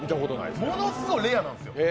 ものすごいレアなんですよ。